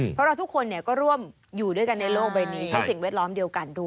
เพราะเราทุกคนก็ร่วมอยู่ด้วยกันในโลกใบนี้ใช้สิ่งแวดล้อมเดียวกันด้วย